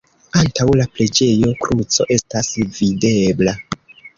Antaŭ la preĝejo kruco estas videbla.